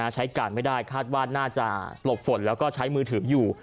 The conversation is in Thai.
ใช้การไม่ได้คาดว่าน่าจะหลบฝนแล้วก็ใช้มือถืออยู่